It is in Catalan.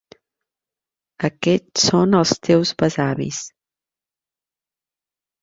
Aquest són els teus besavis.